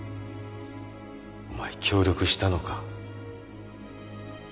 お前協力したのか？